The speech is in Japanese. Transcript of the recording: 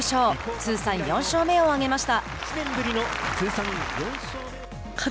通算４勝目を挙げました。